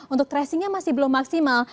untuk tracingnya masih belum maksimal